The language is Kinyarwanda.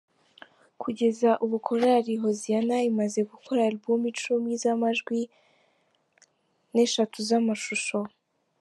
Kugeza ubu korari Hoziyana imaze gukora album icumi z’amajwi n’eshatu z’amashusho.